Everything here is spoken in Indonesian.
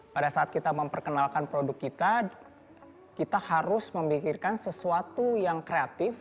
pada saat kita memperkenalkan produk kita kita harus memikirkan sesuatu yang kreatif